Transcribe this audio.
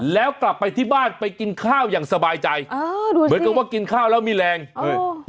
แล้วกลับไปที่บ้านไปกินข้าวอย่างสบายใจเออด้วยเหมือนกับว่ากินข้าวแล้วมีแรงเฮ้ย